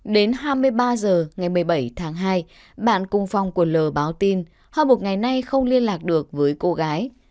đến hai mươi ba giờ ngày một mươi bảy tháng hai bạn cung phong của l báo tin họ buộc ngày nay không liên lạc được với cô gái